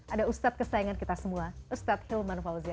ada ustadz kesayangan kita semua ustadz hilman fauzia